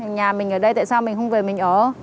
nhà mình ở đây tại sao mình không về mình ở